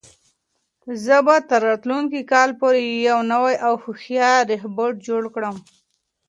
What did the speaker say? زه به تر راتلونکي کال پورې یو نوی او هوښیار روبوټ جوړ کړم.